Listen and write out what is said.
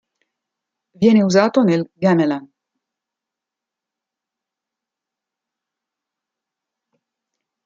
Viene usato nel gamelan.